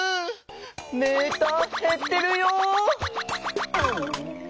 メーターへってるよ。